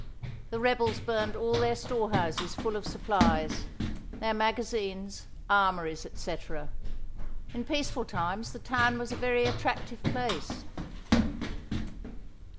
The rebels burned all their storehouses full of supplies, their magazines, armories, etc. In peaceful times the town was a very attractive place.